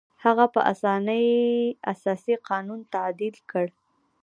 هغه په اسانۍ اساسي قانون تعدیل کړ.